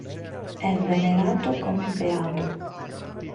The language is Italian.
È venerato come beato.